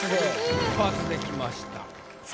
一発できました。